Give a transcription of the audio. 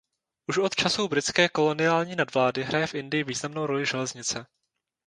Už od časů britské koloniální nadvlády hraje v Indii významnou roli železnice.